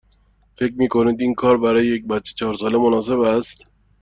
فکر می کنید این برای یک بچه چهار ساله مناسب است؟